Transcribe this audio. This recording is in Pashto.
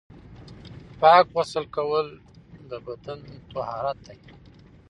پاک غسل کول د بدن طهارت دی.